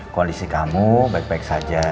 koalisi kamu baik baik saja